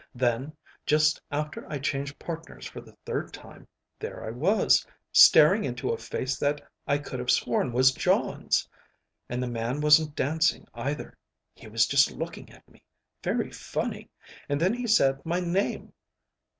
Then, just after I changed partners for the third time, there I was, staring into a face that I could have sworn was Jon's. And the man wasn't dancing, either. He was just looking at me, very funny, and then he said my name.